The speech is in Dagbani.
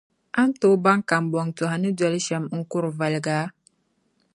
A ni tooi baŋ kambɔntɔha ni doli shɛm n-kur’ valiga?